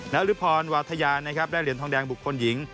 นรพวัฒยาและเหรียญทองแดงบุคคลหญิง